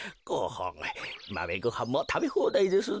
マメごはんもたべほうだいですぞ。